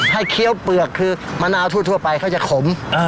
เคี้ยวเปลือกคือมะนาวทั่วไปเขาจะขม